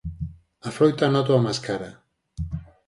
A froita nótoa máis cara.